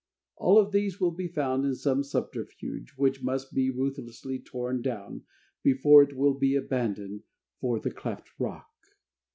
All of these will be found in some subterfuge, which must be ruthlessly torn down, before it will be abandoned for the cleft Rock.